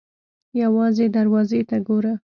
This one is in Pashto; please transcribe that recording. _ يوازې دروازې ته ګوره!